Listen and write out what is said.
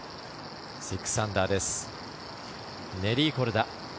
６アンダーです。